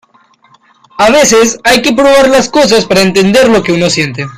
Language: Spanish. a veces, hay que probar las cosas para entender lo que siente uno.